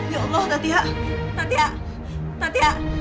ya allah ya allah natia